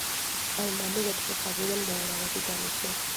ამ მამულებში ხაზინამ მოურავები დანიშნა.